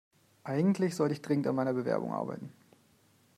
Eigentlich sollte ich dringend an meiner Bewerbung arbeiten.